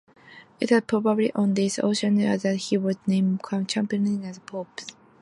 It was probably on this occasion that he was named chamberlain to the pope.